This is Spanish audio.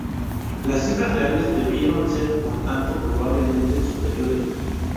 Las cifras reales debieron ser, por tanto, probablemente superiores.